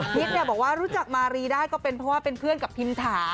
พิษเนี่ยบอกว่ารู้จักมารีได้ก็เป็นเพื่อนกับพิมถา